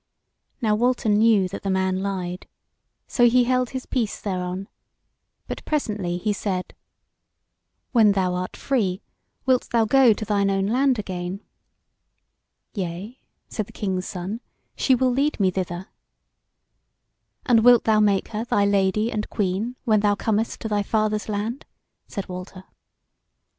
Now Walter knew that the man lied, so he held his peace thereon; but presently he said: "When thou art free wilt thou go to thine own land again?" "Yea," said the King's Son; "she will lead me thither." "And wilt thou make her thy lady and queen when thou comest to thy father's land?" said Walter.